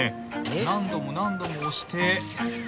何度も何度も押して。